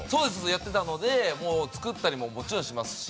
やってたので作ったりももちろんしますし。